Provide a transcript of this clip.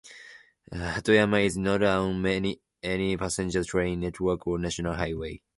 Hatoyama is not on any passenger train network or national highway.